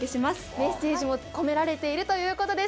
メッセージも込められているということです。